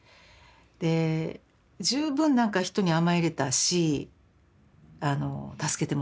で十分なんか人に甘えれたし助けてもらった。